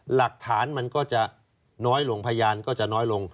หลักฐานมันก็จะน้อยลงพยานก็จะน้อยลง